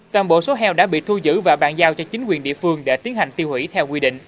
toàn bộ số heo đã bị thu giữ và bàn giao cho chính quyền địa phương để tiến hành tiêu hủy theo quy định